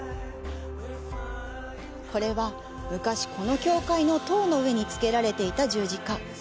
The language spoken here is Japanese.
これは、昔、この教会の塔の上に付けられていた十字架。